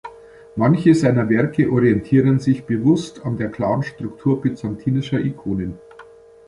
Manche seiner Werke orientieren sich bewusst an der klaren Struktur byzantinischer Ikonen.